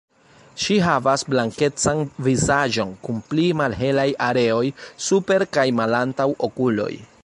Ŝi havas blankecan vizaĝon kun pli malhelaj areoj super kaj malantaŭ okuloj.